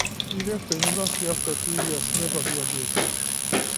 He left the university after two years, never graduating.